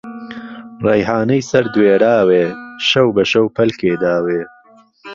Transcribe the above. رهیحانهی سهر دوێراوێ، شهو به شهو پهلکێ داوێ